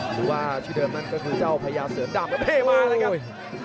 หรือว่าชีวิตเดิมนั้นก็คือจ้าวพญาเสือดับเฮมาเลยครับ